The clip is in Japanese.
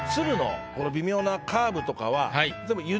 この微妙なカーブとかは。